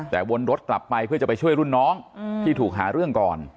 แต่วนรถกลับไปเพื่อจะไปช่วยรุ่นน้องที่ถูกหาเรื่องก่อน